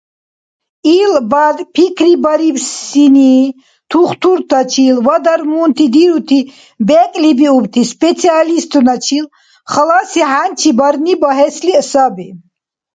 Ил БАД пикрибарибсини тухтуртачил ва дармунти дирути бекӀлибиубти специалистуначил халаси хӀянчи барни багьесли саби.